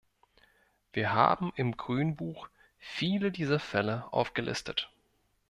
Wir haben im Grünbuch viele dieser Fälle aufgelistet.